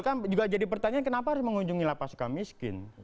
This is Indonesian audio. kan juga jadi pertanyaan kenapa harus mengunjungi lapas suka miskin